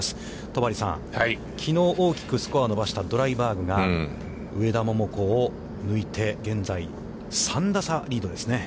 戸張さん、きのう大きくスコアを伸ばしたドライバーグが、上田桃子を抜いて、現在、３打差リードですね。